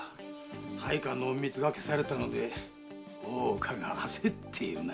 配下の隠密が消され大岡が焦っているな。